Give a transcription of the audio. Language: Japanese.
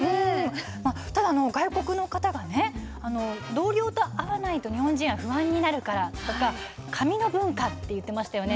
外国の方が、同僚と会わないと日本人は不安になるからとか紙の文化と言っていましたね。